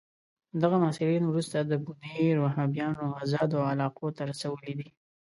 دغه محصلین وروسته د بونیر وهابیانو آزادو علاقو ته رسولي دي.